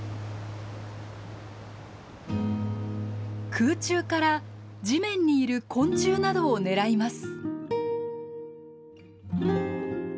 空中から地面にいる昆虫などを狙います。